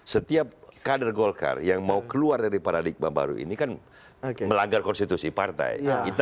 setiap kader golkar yang mau keluar dari paradigma baru ini kan melanggar konstitusi partai